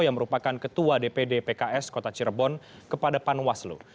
yang merupakan ketua dpd pks kota cirebon kepada panwaslu